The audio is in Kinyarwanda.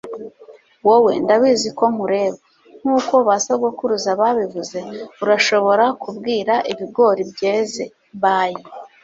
wowe. ndabizi uko nkureba. nkuko ba sogokuruza babivuze, urashobora kubwira ibigori byeze by